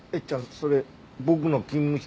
それ僕の勤務表？